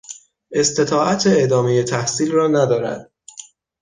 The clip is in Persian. استطاعت ادامهی تحصیل را ندارد.